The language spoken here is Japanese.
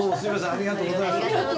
ありがとうございます。